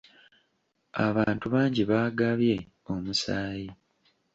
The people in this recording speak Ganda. Abantu bangi baagabye omusaayi.